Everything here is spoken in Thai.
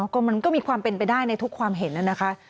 ก็มันก็มีความเป็นไปได้ในทุกความเห็นแล้วนะคะ